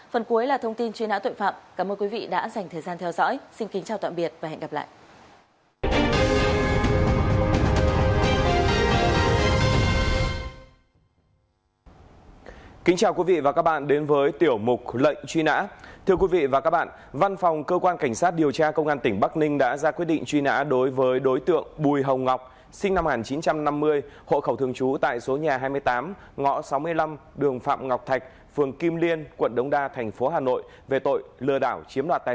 phần cuối là thông tin truy nã tội phạm cảm ơn quý vị đã dành thời gian theo dõi xin kính chào tạm biệt và hẹn gặp lại